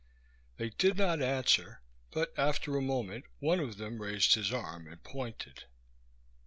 They did not answer, but after a moment one of them raised his arm and pointed.